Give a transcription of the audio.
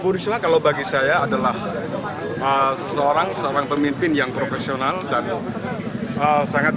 risma kalau bagi saya adalah seseorang seorang pemimpin yang profesional dan sangat berani